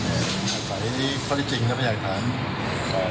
ในภายความจริงในภายศาสน